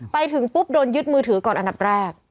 ไปถึงปุ๊บโดนยึดมือถือก่อนอันดับแรก